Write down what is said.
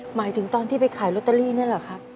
หมายถึงตอนที่ไปขายลอตเตอรี่นั่นเหรอครับ